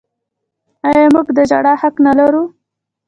آیا موږ د ژړا حق نلرو؟